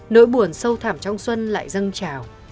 nỗi buồn sâu thảm trong xuân lại dâng trào